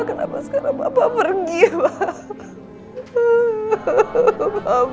kenapa sekarang bapak pergi pak